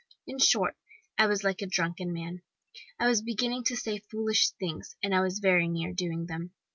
In short, I was like a drunken man, I was beginning to say foolish things, and I was very near doing them.